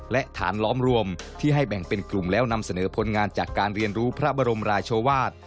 และฐานล้อมรวมที่ให้แบ่งเป็นกลุ่มแล้วนำเสนอผลงานจากการเรียนรู้พระบรมราชวาส